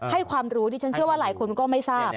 ความรู้ดิฉันเชื่อว่าหลายคนก็ไม่ทราบ